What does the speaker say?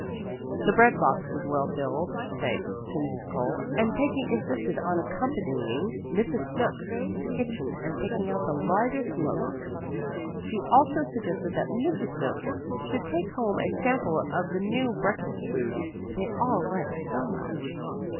The bread box was well filled, thanks to Mrs. Cole, and Peggy insisted on accompanying Mrs. Snooks to the kitchen and picking out the largest loaf. She also suggested that Mrs. Snooks should take home a sample of the new breakfast food they all liked so much.